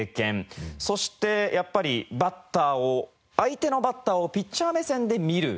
そしてやっぱりバッターを相手のバッターをピッチャー目線で見る。